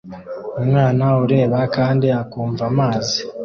umwana ureba kandi akumva amazi